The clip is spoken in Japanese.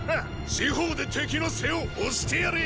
四方で敵の背を押してやれ！